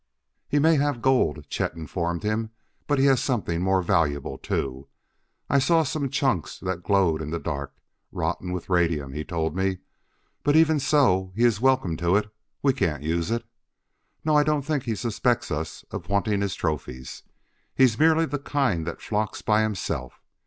"He may have gold," Chet informed him, "but he has something more valuable too. I saw some chunks that glowed in the dark. Rotten with radium, he told me. But even so, he is welcome to it: we can't use it. No, I don't think he suspects us of wanting his trophies; he's merely the kind that flocks by himself.